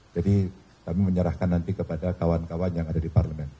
jadi kami menyerahkan nanti kepada kawan kawan yang ada di parlement